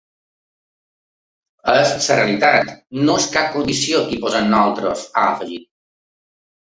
“És la realitat, no és cap condició que hi posem nosaltres”, ha afegit.